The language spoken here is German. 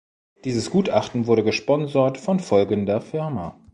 Dieses Gutachten wurde gesponsert von folgender Firma.